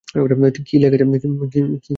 কি লেখা আছে?